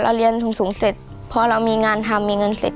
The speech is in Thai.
เรียนสูงสูงเสร็จพอเรามีงานทำมีเงินเสร็จ